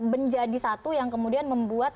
menjadi satu yang kemudian membuat